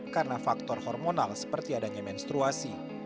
karena faktor hormonal seperti adanya mensur